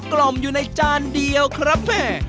กล่อมอยู่ในจานเดียวครับแม่